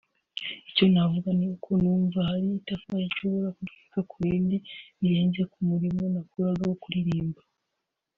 icyo navuga ni uko numva hari itafari nshobora kugereka ku rindi birenze ku murimo nakoraga wo kuririmba